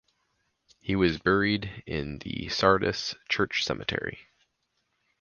He was buried in the Sardis Church Cemetery.